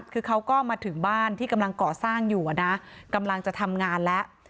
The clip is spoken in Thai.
คือเขาก็มาถึงบ้านที่กำลังก่อสร้างอยู่นะกำลังจะทำงานแล้ว